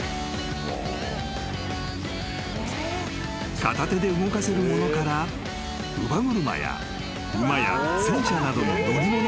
［片手で動かせるものから乳母車や馬や戦車などの乗り物］